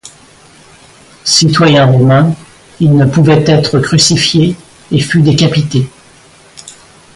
Citoyen romain, il ne pouvait être crucifié et fut décapité.